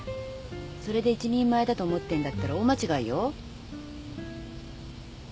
それで一人前だと思ってんだったら大間違いよ。